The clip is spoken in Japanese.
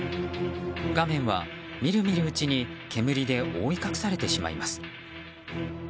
画面は、みるみるうちに煙で覆い隠されてしまいます。